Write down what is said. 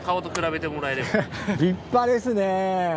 立派ですね。